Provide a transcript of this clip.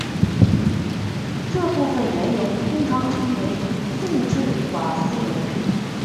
这部分原油通常称为重质瓦斯油。